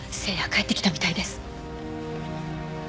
帰ってきたみたいです。